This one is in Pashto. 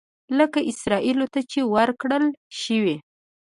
لکه اسرائیلو ته چې ورکړل شوي.